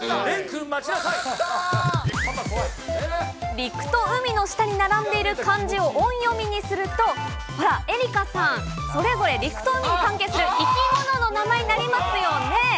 陸と海の下に並んでいる漢字を音読みにすると、ほら、エリカさん、それぞれ陸と海に関係する生き物の名前になりますよね。